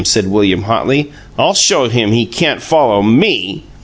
said William, hotly. "I'll show him he can't follow ME!"